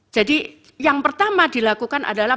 jadi yang pertama dilakukan adalah